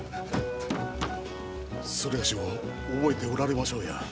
某を覚えておられましょうや。